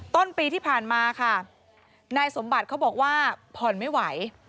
ต้นปีที่ผ่านมาค่ะนายสมบัติเขาบอกว่าผ่อนไม่ไหว